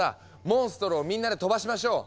モンストロをみんなで飛ばしましょう。